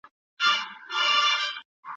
چپه افکارو تاریخ ته خپله زاویه ورکړه.